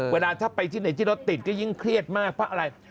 เวลาถ้าไปที่ไหนที่รถติดก็ยิ่งเครียดมากเพราะอะไร